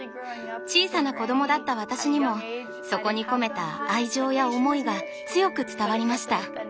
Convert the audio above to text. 小さな子供だった私にもそこに込めた愛情や思いが強く伝わりました。